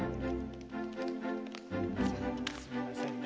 すみませんね